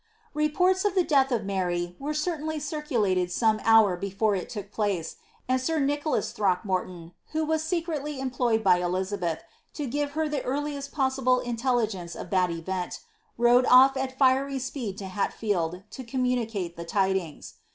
Reports of the death of Mary were certainly circulated sopie hour before it took place, and sir Nicholas Throckmorton, who was secretly employed by Elizabeth to give her the earliest possible intelligence of that event, rode off at fiery speed to Uatfield to communicate the tidings.